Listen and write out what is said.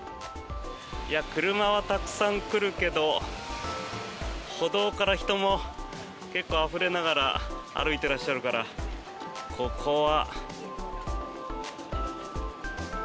車はたくさん来るけど歩道から人も結構あふれながら歩いてらっしゃるからここは。